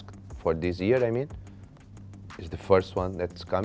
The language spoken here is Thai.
คือเป็นครั้งหนึ่งที่เราอยากมา